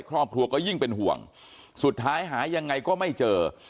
ครอบครัวก็ยิ่งเป็นห่วงสุดท้ายหายังไงก็ไม่เจอ